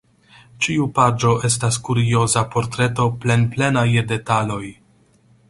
Ĉiu paĝo estas kurioza portreto plenplena je detaloj.